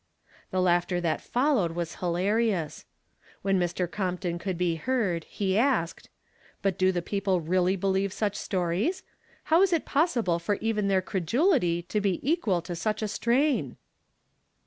The laughter that followed was hilarious. When Mr. Compton could l)e heard, he asked: "But do the people really believe such stories? How is it possible for even their credulity to W equal to such a strain?"